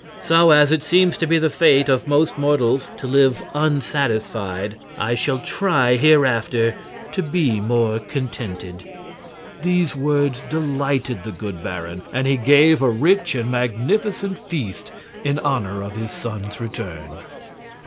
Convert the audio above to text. So, as it seems to be the fate of most mortals to live unsatisfied, I shall try hereafter to be more contented." These words delighted the good baron, and he gave a rich and magnificent feast in honor of his son's return.